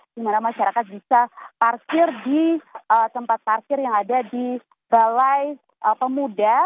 di mana masyarakat bisa parkir di tempat parkir yang ada di balai pemuda